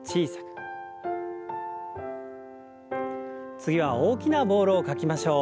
次は大きなボールを描きましょう。